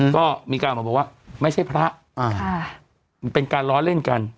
ก็มีการบอกว่าไม่ใช่พระเป็นการล้อเล่นกัน